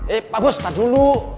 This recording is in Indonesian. eh pak bos start dulu